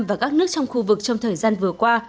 và các nước trong khu vực trong thời gian vừa qua